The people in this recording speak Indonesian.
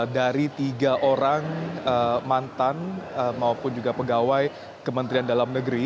dari tiga orang mantan maupun juga pegawai kementerian dalam negeri